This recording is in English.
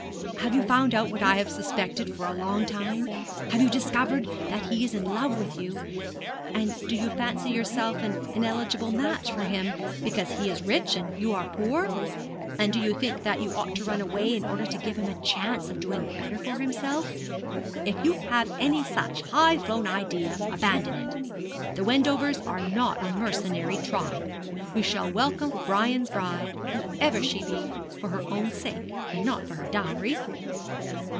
Have you found out what I have suspected for a long time? Have you discovered that he is in love with you, and do you fancy yourself an ineligible match for him, because he is rich and you are poor, and do you think that you ought to run away in order to give him a chance of doing better for himself? If you have any such high flown idea, abandon it. The Wendovers are not a mercenary tribe. We shall welcome Brian's bride, whoever she be, for her own sake, and not for her dowry.'